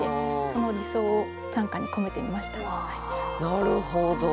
なるほど。